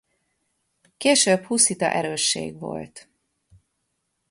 Később huszita erősség volt.